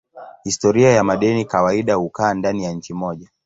Historia ya madeni kawaida hukaa ndani ya nchi moja.